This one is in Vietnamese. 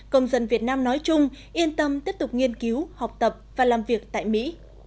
công dân việt nam nói chung yên tâm tiếp tục nghiên cứu học tập và làm việc tại mỹ